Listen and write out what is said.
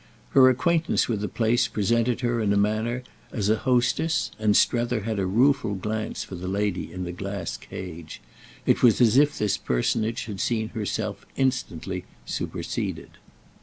Her acquaintance with the place presented her in a manner as a hostess, and Strether had a rueful glance for the lady in the glass cage. It was as if this personage had seen herself instantly superseded.